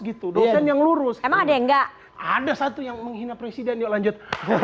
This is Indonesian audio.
gitu dosen yang lurus karena ada yang enggak ada satu yang menghina presiden yuk lanjut